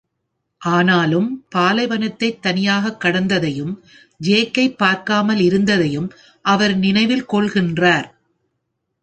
ஆனாலும், பாலைவனத்தை தனியாக கடந்ததையும் ஜேக்கை பார்க்காமல் இருந்ததையும் அவர் நினைவில் கொள்கின்றார்.